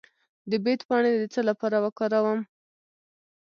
د بید پاڼې د څه لپاره وکاروم؟